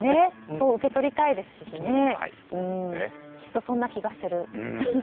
そう受け取りたいですしきっとそんな気がする。